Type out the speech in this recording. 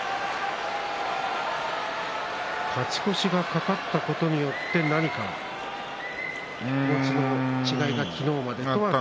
勝ち越しが懸かったことによって何か気持ちの違いがありますか？